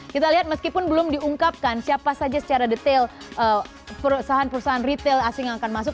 kita lihat meskipun belum diungkapkan siapa saja secara detail perusahaan perusahaan retail asing yang akan masuk